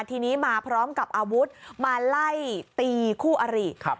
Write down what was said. ทีนี้มาพร้อมกับอาวุธมาไล่ตีคู่อริครับ